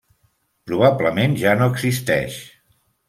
Probablement ja no existeix.